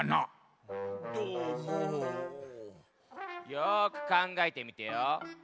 よくかんがえてみてよ。